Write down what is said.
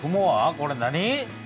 これ何？